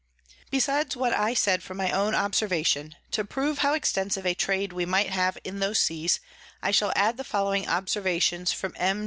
Besides what I said from my own Observation, to prove how extensive a Trade we might have in those Seas, I shall add the following Observations from M.